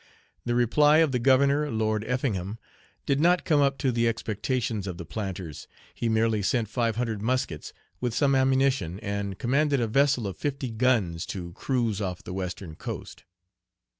The reply of the Governor, Lord Effingham, did not come up to the expectations of the planters; he merely sent five hundred muskets, with some ammunition, and commanded a vessel of fifty guns to cruise off the western coast.